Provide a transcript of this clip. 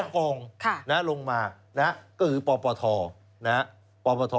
ก็คือปปท